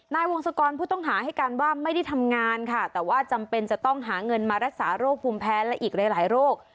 นายวงศกรผู้ต้องหาให้การว่าไม่ได้ทำงานค่ะแต่ว่าจำเป็นจะต้องหาเงินมารักษาโรคภูมิแพ้และอีกหลายโรค